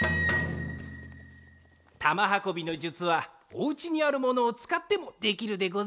玉はこびの術はお家にあるものをつかってもできるでござるぞ。